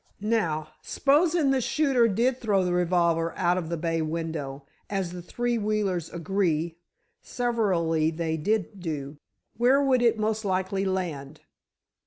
Now, s'posin' the shooter did throw the revolver out of the bay window, as the three Wheelers agree, severally, they did do, where would it most likely land?"